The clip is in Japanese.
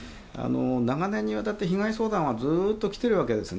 長年にわたって被害相談はずっと来ているわけです。